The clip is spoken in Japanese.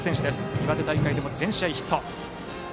岩手大会でも全試合でヒット。